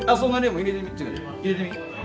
入れてみ。